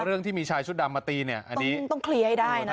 เรื่องที่มีชายชุดดำมาตีเนี่ยอันนี้ต้องเคลียร์ให้ได้นะ